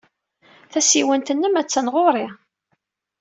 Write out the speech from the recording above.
Tasiwant-nnem attan ɣer-i.